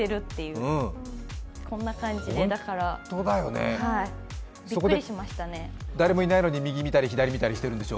そこで、誰もいないのに、右見たり、左見たりしてるんでしょ？